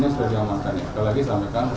terlebih lagi saya mengatakan